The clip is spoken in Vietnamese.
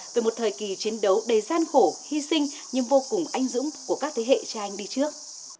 về một thời kỳ chiến đấu đầy gian khổ hy sinh nhưng vô cùng anh dũng của các thế hệ cha anh đi trước